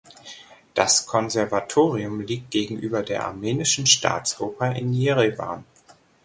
Das Konservatorium liegt gegenüber der Armenischen Staatsoper in Jerewan.